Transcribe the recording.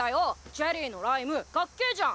チェリーのライムかっけじゃん。